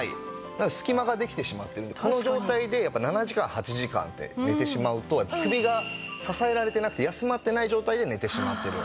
隙間ができてしまっているのでこの状態で７時間８時間って寝てしまうと首が支えられていなくて休まってない状態で寝てしまっているんですね。